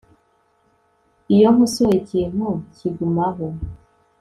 Iyo nkosoye ikintu kigumaho